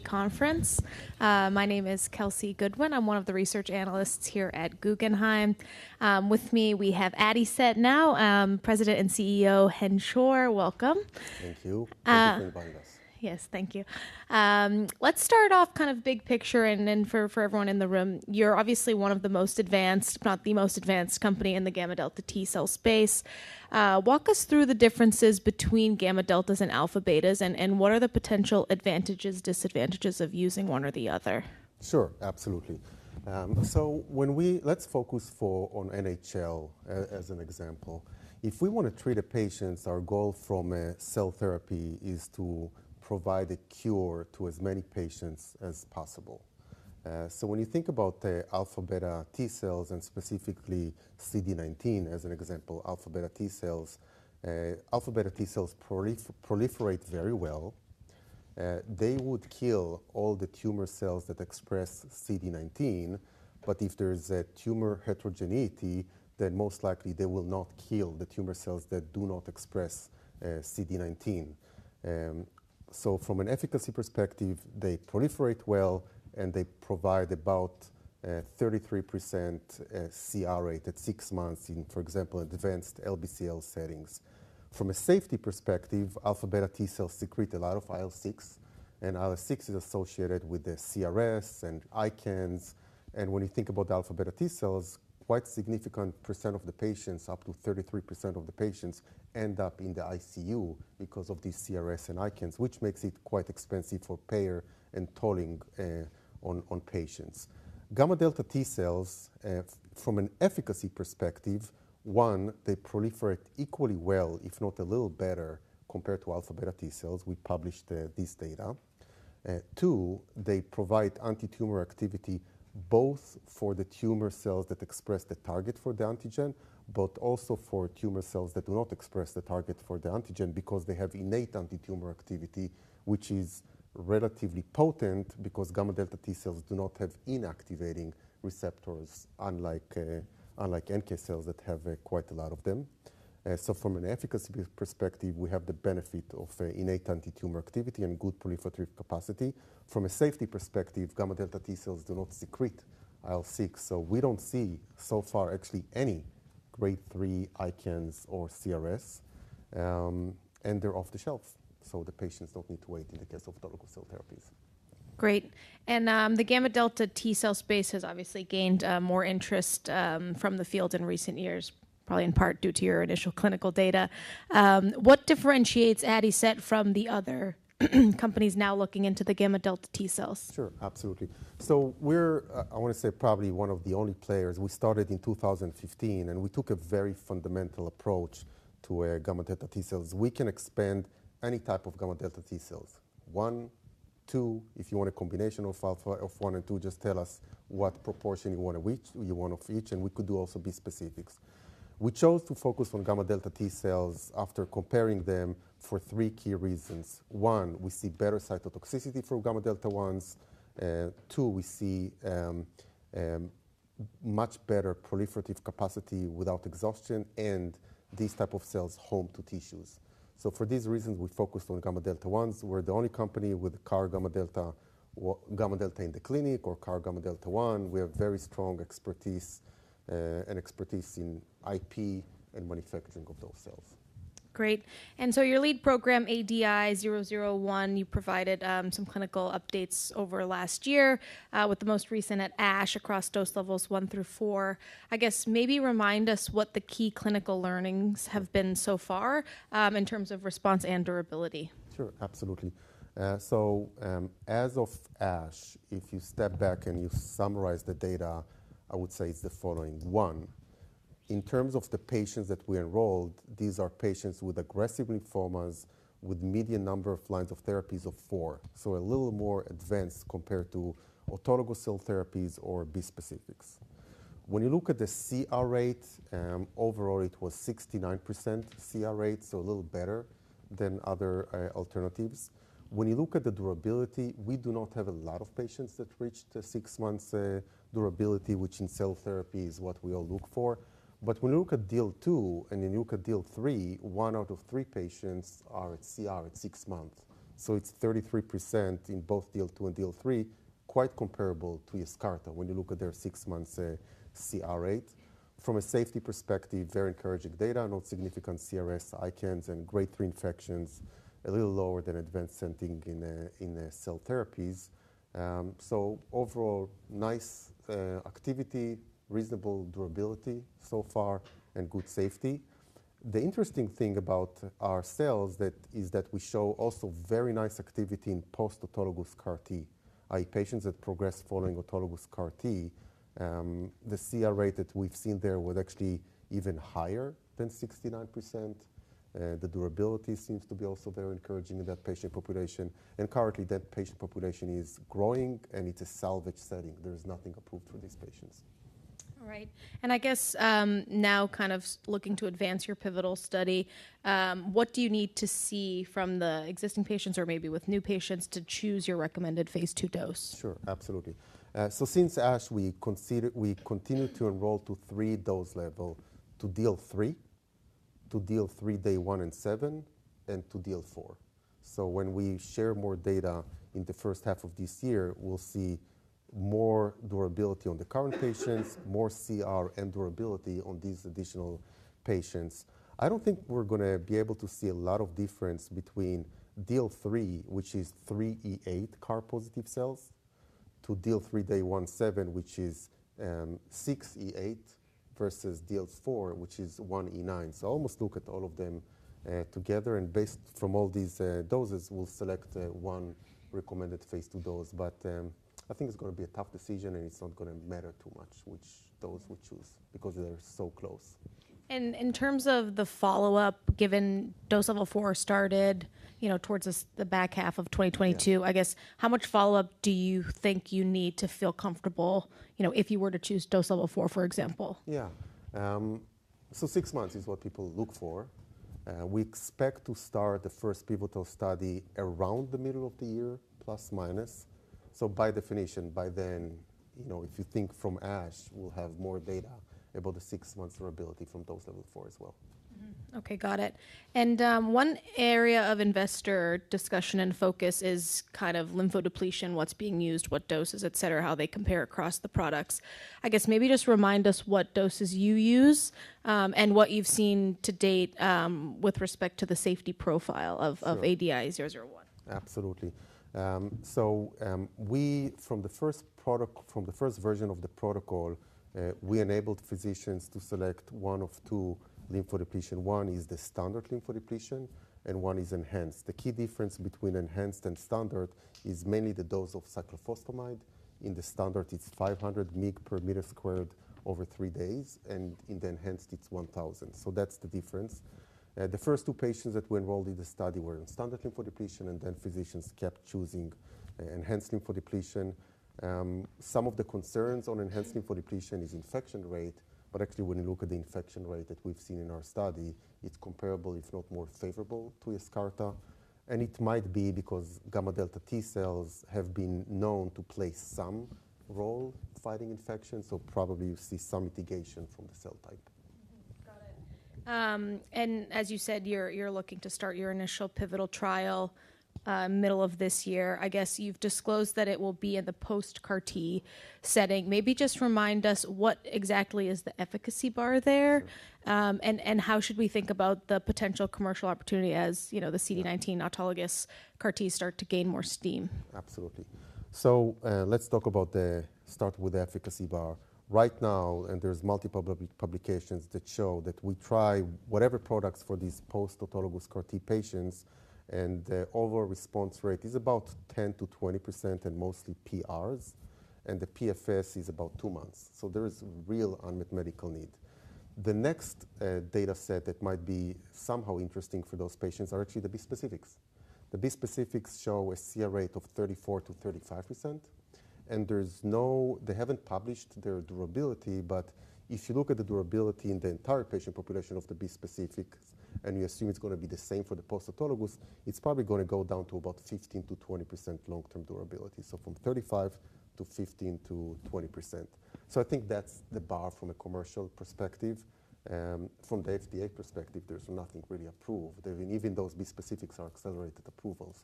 -conference. My name is Kelsey Goodwin. I'm one of the research analysts here at Guggenheim. With me, we have Chen Schor, President and CEO, Schor. Welcome. Thank you. Uh- Thank you for inviting us. Yes, thank you. Let's start off kind of big picture and then for everyone in the room. You're obviously one of the most advanced, if not the most advanced company in the gamma delta T-cell space. Walk us through the differences between gamma deltas and alpha betas and what are the potential advantages, disadvantages of using one or the other? Sure. Absolutely. Let's focus for, on NHL as an example. If we wanna treat a patient, our goal from a cell therapy is to provide a cure to as many patients as possible. When you think about the alpha beta T-cells and specifically CD19 as an example, alpha beta T-cells proliferate very well. They would kill all the tumor cells that express CD19, if there is a tumor heterogeneity, then most likely they will not kill the tumor cells that do not express CD19. From an efficacy perspective, they proliferate well and they provide about 33% CR rate at six months in, for example, advanced LBCL settings. From a safety perspective, alpha beta T-cells secrete a lot of IL-6, and IL-6 is associated with the CRS and ICANS. When you think about the alpha beta T-cells, quite significant percent of the patients, up to 33% of the patients, end up in the ICU because of the CRS and ICANS, which makes it quite expensive for payer and tolling, on patients. Gamma delta T-cells, from an efficacy perspective, one, they proliferate equally well, if not a little better compared to alpha beta T-cells. We published this data. Two, they provide antitumor activity both for the tumor cells that express the target for the antigen, but also for tumor cells that do not express the target for the antigen because they have innate antitumor activity, which is relatively potent because gamma delta T-cells do not have inactivating receptors unlike NK cells that have quite a lot of them. From an efficacy perspective, we have the benefit of innate antitumor activity and good proliferative capacity. From a safety perspective, gamma delta T-cells do not secrete IL-6, so we don't see, so far, actually any grade 3 ICANS or CRS. They're off the shelf, so the patients don't need to wait in the case of autologous cell therapies. Great. The gamma delta T-cell space has obviously gained more interest from the field in recent years, probably in part due to your initial clinical data. What differentiates Adicet from the other companies now looking into the gamma delta T-cells? Sure. Absolutely. We're, I wanna say probably one of the only players. We started in 2015, we took a very fundamental approach to gamma delta T-cells. We can expand any type of gamma delta T-cells. One, two, if you want a combination of alpha, of one and two, just tell us what proportion you want of each, and we could do also bispecifics. We chose to focus on gamma delta T-cells after comparing them for three key reasons. One, we see better cytotoxicity for gamma delta 1s. Two, we see much better proliferative capacity without exhaustion and these type of cells home to tissues. For these reasons, we focused on gamma delta 1s. We're the only company with CAR gamma delta or gamma delta in the clinic or CAR gamma delta 1. We have very strong expertise, an expertise in IP and manufacturing of those cells. Great. your lead program, ADI-001, you provided some clinical updates over last year with the most recent at ASH across dose levels 1 through four. I guess maybe remind us what the key clinical learnings have been so far in terms of response and durability. Sure. Absolutely. As of ASH, if you step back and you summarize the data, I would say it's the following. One, in terms of the patients that we enrolled, these are patients with aggressive lymphomas with median number of lines of therapies of four. A little more advanced compared to autologous cell therapies or bispecifics. When you look at the CR rate, overall it was 69% CR rate, a little better than other alternatives. When you look at the durability, we do not have a lot of patients that reached six months durability, which in cell therapy is what we all look for. When you look at DL2 and then you look at DL3, one out of three patients are at CR at six months. It's 33% in both DL2 and DL3, quite comparable to YESCARTA when you look at their six months CR rate. From a safety perspective, very encouraging data. No significant CRS, ICANS, and grade 3 infections. A little lower than advanced setting in cell therapies. Overall, nice activity, reasonable durability so far, and good safety. The interesting thing about our cells is that we show also very nice activity in post-autologous CAR T. In patients that progress following autologous CAR T, the CR rate that we've seen there was actually even higher than 69%. The durability seems to be also very encouraging in that patient population. Currently, that patient population is growing, and it's a salvage setting. There's nothing approved for these patients. All right. I guess, now kind of looking to advance your pivotal study, what do you need to see from the existing patients or maybe with new patients to choose your recommended phase 2 dose? Sure. Absolutely. Since ASH, we continued to enroll to three dose level to DL3. To DL3, day 1 and seven, and to DL4. When we share more data in the first half of this year, we'll see more durability on the current patients, more CR and durability on these additional patients. I don't think we're gonna be able to see a lot of difference between DL3, which is 3E8 CAR positive cells, to DL3, day 1-7, which is 6E8 versus DL4, which is 1E9. Almost look at all of them together, and based from all these doses, we'll select one recommended phase 2 dose. I think it's gonna be a tough decision, and it's not gonna matter too much which dose we'll choose because they're so close. In terms of the follow-up, given Dose level 4 started, you know, towards the back half of 2022. Yeah. I guess, how much follow-up do you think you need to feel comfortable, you know, if you were to choose Dose Level 4, for example? Yeah.Six months is what people look for. We expect to start the first pivotal study around the middle of the year, plus, minus. By definition, by then, you know, if you think from ASH, we'll have more data about the 6-month durability from dose level 4 as well. Okay, got it. One area of investor discussion and focus is kind of lymphodepletion, what's being used, what doses, et cetera, how they compare across the products. I guess maybe just remind us what doses you use, and what you've seen to date, with respect to the safety profile of ADI-001. Absolutely. From the first version of the protocol, we enabled physicians to select one of two lymphodepletion. One is the standard lymphodepletion, one is enhanced. The key difference between enhanced and standard is mainly the dose of cyclophosphamide. In the standard, it's 500 mg per meter squared over three days, in the enhanced, it's 1,000. That's the difference. The first two patients that were enrolled in the study were in standard lymphodepletion, physicians kept choosing enhanced lymphodepletion. Some of the concerns on enhanced lymphodepletion is infection rate, actually, when you look at the infection rate that we've seen in our study, it's comparable, if not more favorable, to YESCARTA. It might be because gamma delta T-cells have been known to play some role fighting infections, so probably you see some mitigation from the cell type. Got it. As you said, you're looking to start your initial pivotal trial, middle of this year. I guess you've disclosed that it will be in the post-CAR-T setting. Maybe just remind us what exactly is the efficacy bar there. Sure. How should we think about the potential commercial opportunity as, you know, the CD19 autologous CAR-T start to gain more steam? Absolutely. Let's start with the efficacy bar. Right now, there's multiple publications that show that we try whatever products for these post autologous CAR T patients, the overall response rate is about 10%-20% and mostly PRs, the PFS is about two months. There is real unmet medical need. The next data set that might be somehow interesting for those patients are actually the bispecifics. The bispecifics show a CR rate of 34%-35%. They haven't published their durability, but if you look at the durability in the entire patient population of the bispecific, you assume it's gonna be the same for the post autologous, it's probably gonna go down to about 15%-20% long-term durability. From 35% to 15%-20%. I think that's the bar from a commercial perspective. From the FDA perspective, there's nothing really approved. Even those bispecifics are accelerated approval,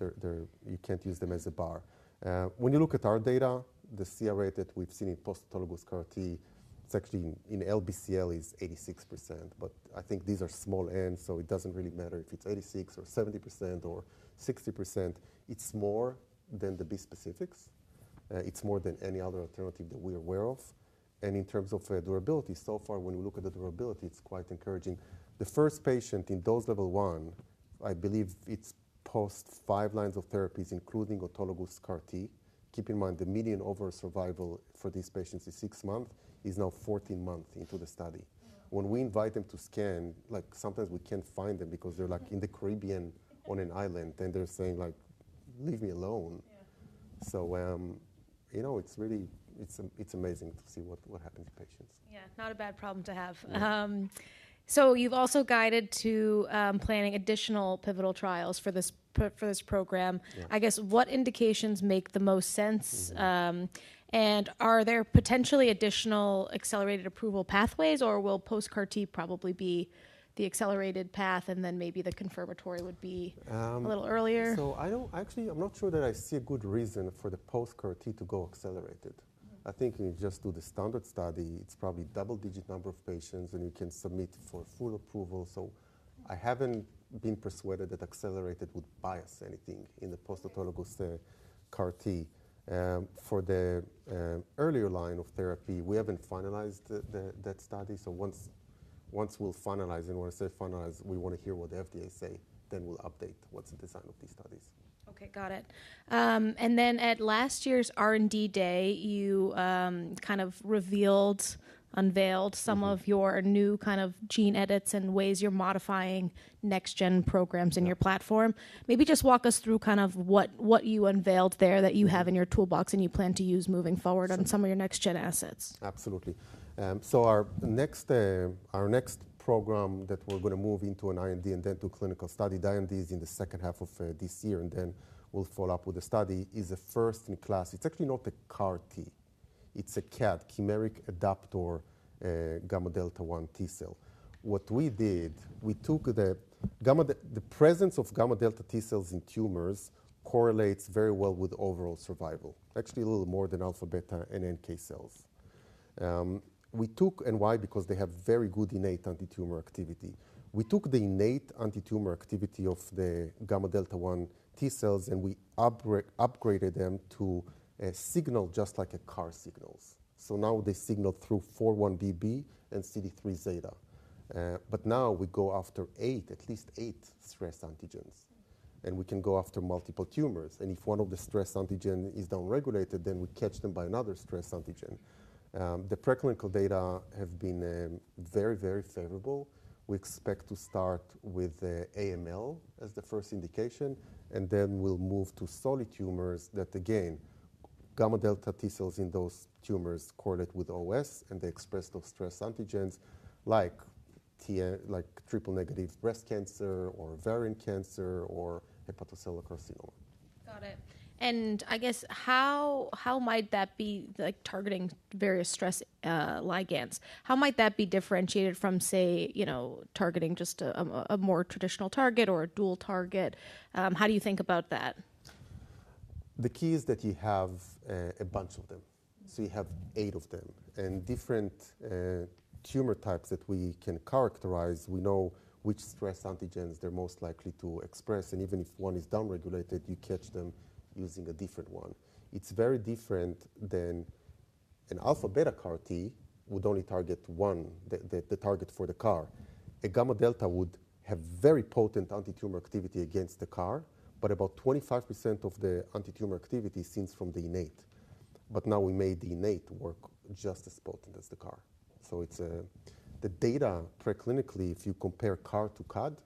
you can't use them as a bar. When you look at our data, the CR rate that we've seen in post autologous CAR-T, it's actually in LBCL is 86%. I think these are small N, it doesn't really matter if it's 86% or 70% or 60%. It's more than the bispecifics. It's more than any other alternative that we're aware of. In terms of durability, so far when we look at the durability, it's quite encouraging. The 1st patient in dose level 1, I believe it's post five lines of therapies, including autologous CAR-T. Keep in mind the median overall survival for these patients is six months, is now 14 months into the study. When we invite them to scan, like, sometimes we can't find them because they're, like, in the Caribbean on an island, and they're saying, like, "Leave me alone. Yeah. you know, it's really, it's amazing to see what happened to patients. Yeah. Not a bad problem to have. Yeah. You've also guided to, planning additional pivotal trials for this program. Yeah. I guess what indications make the most sense? Mm-hmm. Are there potentially additional accelerated approval pathways, or will post-CAR-T probably be the accelerated path, and then maybe the confirmatory would be? Um- a little earlier? Actually, I'm not sure that I see a good reason for the post-CAR-T to go accelerated. Mm-hmm. I think if you just do the standard study, it's probably double-digit number of patients, and you can submit for full approval. I haven't been persuaded that accelerated would buy us anything in the post autologous CAR-T. For the earlier line of therapy, we haven't finalized the that study. Once we'll finalize, and when I say finalize, we wanna hear what the FDA say, then we'll update what's the design of these studies. Okay, got it. Then at last year's R&D Day, you, kind of unveiled. Mm-hmm ...some of your new kind of gene edits and ways you're modifying next gen programs in your platform. Yeah. Maybe just walk us through kind of what you unveiled there that you have in your toolbox and you plan to use moving forward on some of your next gen assets? Absolutely. Our next program that we're gonna move into an IND and then to clinical study, the IND is in the second half of this year, and then we'll follow up with the study, is a first-in-class. It's actually not a CAR-T. It's a CAD, chimeric adaptor, gamma delta 1 T-cell. The presence of gamma delta T-cells in tumors correlates very well with overall survival. Actually, a little more than alpha, beta, and NK cells. Why? Because they have very good innate antitumor activity. We took the innate antitumor activity of the gamma delta 1 T-cells, and we upgraded them to a signal just like a CAR signals. Now they signal through 4-1BB and CD3ζ. Now we go after eight, at least eight stress antigens, and we can go after multiple tumors. If one of the stress antigen is downregulated, then we catch them by another stress antigen. The preclinical data have been very, very favorable. We expect to start with AML as the first indication, and then we'll move to solid tumors that again, gamma delta T-cells in those tumors correlate with OS, and they express those stress antigens like TA, like triple-negative breast cancer or ovarian cancer or hepatocellular carcinoma. Got it. I guess how might that be, like, targeting various stress ligands? How might that be differentiated from, say, you know, targeting just a more traditional target or a dual target? How do you think about that? The key is that you have a bunch of them. You have eight of them. Different tumor types that we can characterize, we know which stress antigens they're most likely to express. Even if one is downregulated, you catch them using a different one. It's very different than an alpha/beta CAR T would only target one, the, the target for the CAR. A gamma delta would have very potent antitumor activity against the CAR, but about 25% of the antitumor activity seems from the innate. Now we made the innate work just as potent as the CAR. It's the data preclinically, if you compare CAR to CAd,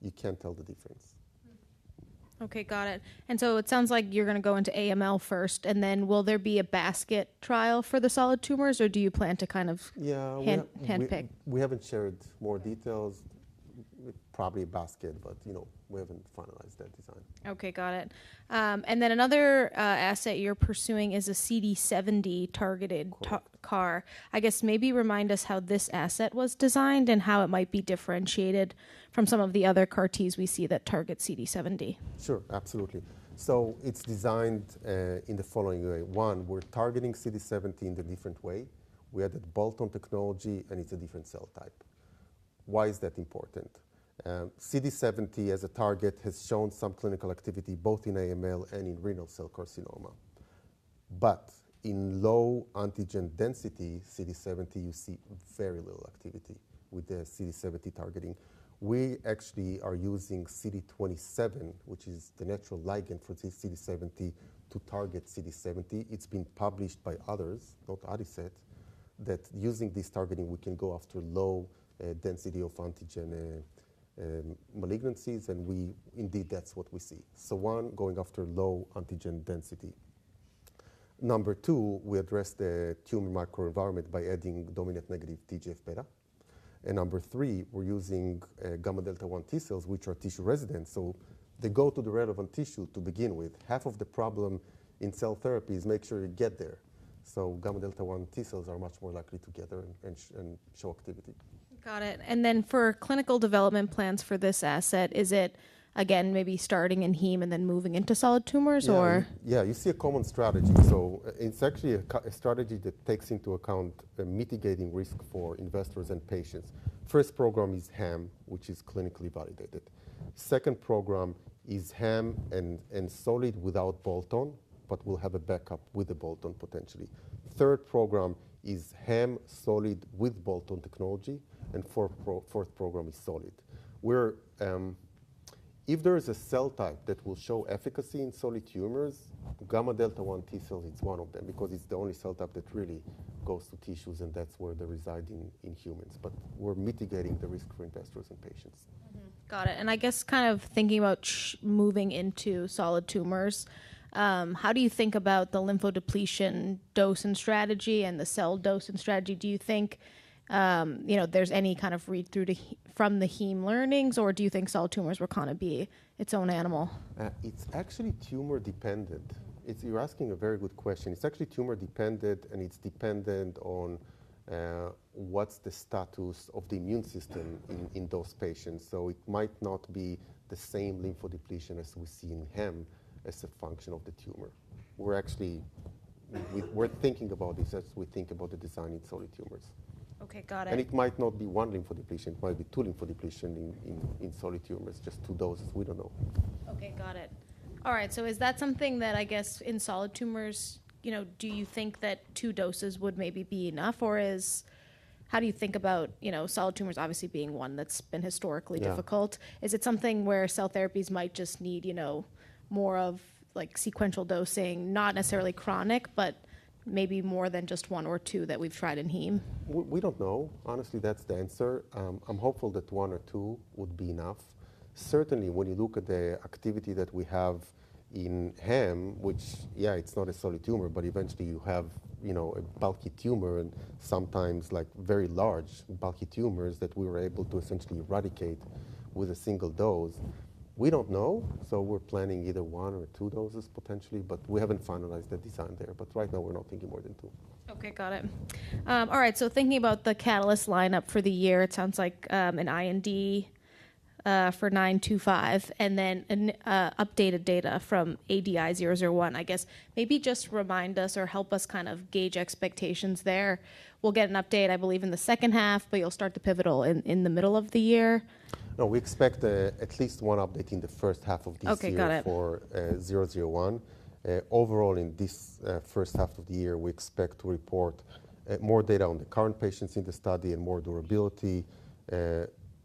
you can't tell the difference. Okay, got it. It sounds like you're gonna go into AML first, and then will there be a basket trial for the solid tumors, or do you plan to kind of-? Yeah. hand, handpick? We haven't shared more details. Probably a basket, but, you know, we haven't finalized that design. Okay, got it. Then another asset you're pursuing is a CD70-targeted- Correct. CAR, I guess maybe remind us how this asset was designed and how it might be differentiated from some of the other CAR Ts we see that target CD70? Sure, absolutely. It's designed in the following way. One, we're targeting CD70 in a different way. We added bolt-on technology, and it's a different cell type. Why is that important? CD70 as a target has shown some clinical activity both in AML and in renal cell carcinoma. In low antigen density CD70, you see very little activity with the CD70 targeting. We actually are using CD27, which is the natural ligand for CD70, to target CD70. It's been published by others, not Adicet Bio, that using this targeting, we can go after low density of antigen malignancies. Indeed, that's what we see. One, going after low antigen density. Number 2, we address the tumor microenvironment by adding dominant negative TGF-beta. Number 3, we're using gamma delta 1 T-cells, which are tissue resident. They go to the relevant tissue to begin with. Half of the problem in cell therapy is make sure you get there. Gamma delta 1 T-cells are much more likely to get there and show activity. Got it. For clinical development plans for this asset, is it again maybe starting in Heme and then moving into solid tumors or? Yeah. Yeah, you see a common strategy. It's actually a strategy that takes into account mitigating risk for investors and patients. First program is Heme, which is clinically validated. Second program is Heme and solid without bolt-on, but we'll have a backup with the bolt-on potentially. Third program is Heme solid with bolt-on technology, and fourth program is solid. We're, if there is a cell type that will show efficacy in solid tumors, gamma delta 1 T cells is one of them because it's the only cell type that really goes to tissues, and that's where they reside in humans. We're mitigating the risk for investors and patients. Mm-hmm. Got it. I guess kind of thinking about moving into solid tumors. How do you think about the lymphodepletion dosing strategy and the cell dosing strategy? Do you think, you know, there's any kind of read-through to from the Heme learnings, or do you think solid tumors will kinda be its own animal? It's actually tumor dependent. You're asking a very good question. It's actually tumor dependent, and it's dependent on what's the status of the immune system in those patients. It might not be the same lymphodepletion as we see in Heme as a function of the tumor. We're actually, we're thinking about this as we think about the design in solid tumors. Okay, got it. It might not be one lymphodepletion. It might be two lymphodepletion in solid tumors, just two doses. We don't know. Got it. All right, is that something that, I guess, in solid tumors, you know, do you think that two doses would maybe be enough? Or is... How do you think about, you know, solid tumors obviously being one that's been historically difficult? Yeah. Is it something where cell therapies might just need, you know, more of, like, sequential dosing, not necessarily chronic, but maybe more than just one or two that we've tried in Heme? We don't know. Honestly, that's the answer. I'm hopeful that one or two would be enough. Certainly, when you look at the activity that we have in Heme, which, yeah, it's not a solid tumor, but eventually you have, you know, a bulky tumor and sometimes, like, very large bulky tumors that we were able to essentially eradicate with a single dose. We don't know. We're planning either one or two doses potentially, but we haven't finalized the design there. Right now, we're not thinking more than two. Got it. Thinking about the catalyst lineup for the year, it sounds like an IND for ADI-925, and then an updated data from ADI-001. I guess maybe just remind us or help us kind of gauge expectations there. We'll get an update, I believe, in the second half, but you'll start to pivotal in the middle of the year. No, we expect, at least one update in the first half of this year- Okay, got it.... for, 001. Overall, in this, first half of the year, we expect to report, more data on the current patients in the study and more durability,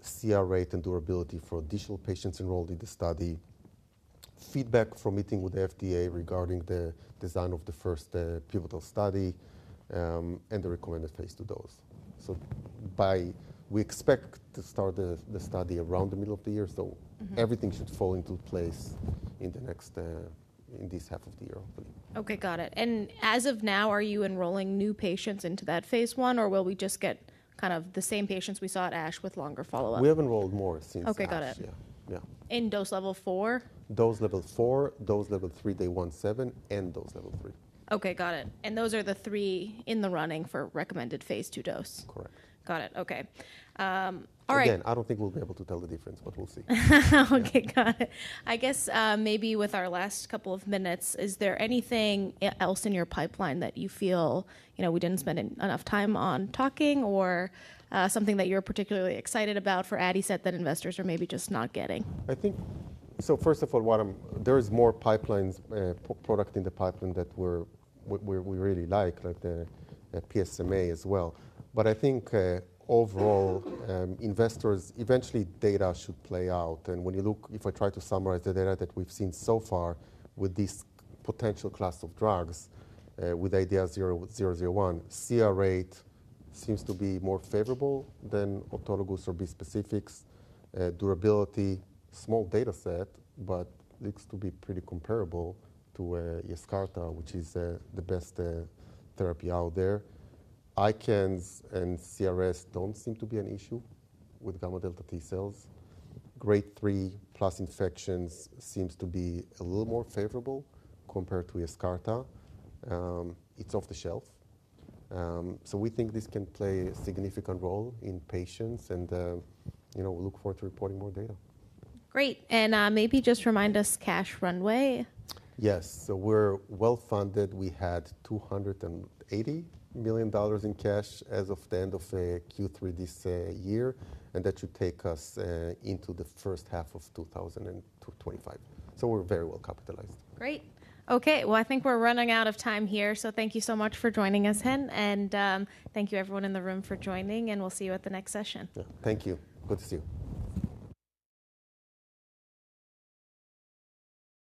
CR rate and durability for additional patients enrolled in the study. Feedback from meeting with the FDA regarding the design of the first, pivotal study, and the recommended phase two dose. We expect to start the study around the middle of the year. Mm-hmm... everything should fall into place in the next, in this half of the year, hopefully. Okay, got it. As of now, are you enrolling new patients into that phase 1, or will we just get kind of the same patients we saw at ASH with longer follow-up? We have enrolled more since ASH. Okay, got it. Yeah, yeah. In dose level four? Dose level 4, dose level 3, day 1, 7, and dose level 3. Okay, got it. Those are the three in the running for recommended phase 2 dose? Correct. Got it. Okay. All right. I don't think we'll be able to tell the difference, but we'll see. Okay, got it. I guess, maybe with our last couple of minutes, is there anything else in your pipeline that you feel, you know, we didn't spend enough time on talking or something that you're particularly excited about for Adicet that investors are maybe just not getting? First of all, there is more pipelines, product in the pipeline that we really like the PSMA as well. Overall, investors, eventually data should play out. If I try to summarize the data that we've seen so far with this potential class of drugs, with ADI-001, CR rate seems to be more favorable than autologous or bispecifics. Durability, small data set, looks to be pretty comparable to YESCARTA, which is the best therapy out there. ICANS and CRS don't seem to be an issue with gamma delta T-cells. Grade-3+ infections seems to be a little more favorable compared to YESCARTA. It's off the shelf. We think this can play a significant role in patients and, you know, we look forward to reporting more data. Great. Maybe just remind us cash runway? Yes. We're well-funded. We had $280 million in cash as of the end of Q3 this year, and that should take us into the first half of 2025. We're very well capitalized. Great. Okay. Well, I think we're running out of time here. Thank you so much for joining us, Chen. Thank you everyone in the room for joining, and we'll see you at the next session. Yeah. Thank you. Good to see you.